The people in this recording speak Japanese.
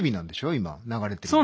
今流れてるの。